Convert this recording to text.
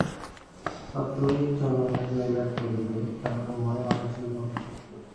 তত্ত্বই চরমে জয়লাভ করিবে, কারণ উহাই মানুষের মনুষ্যত্ব।